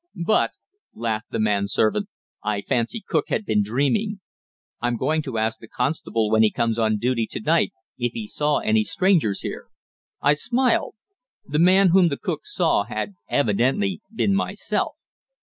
But," laughed the man servant, "I fancy cook had been dreaming. I'm going to ask the constable when he comes on duty to night if he saw any strangers here." I smiled. The man whom the cook saw had evidently been myself.